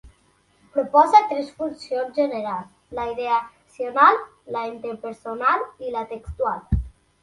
Proposa tres funcions generals: la "ideacional", la "interpersonal" i la "textual".